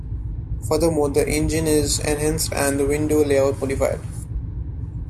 Furthermore the engine is enhanced and the window layout modified.